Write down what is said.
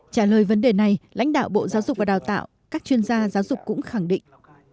trả lời vấn đề này lãnh đạo bộ giáo dục và đào tạo các chuyên gia giáo dục cũng khẳng định